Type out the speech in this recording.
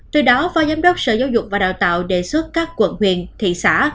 từ đó phó giám đốc sở giáo dục và đào tạo đề xuất các quận huyện thị xã